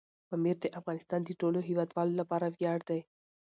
پامیر د افغانستان د ټولو هیوادوالو لپاره ویاړ دی.